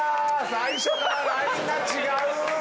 最初からラインが違う！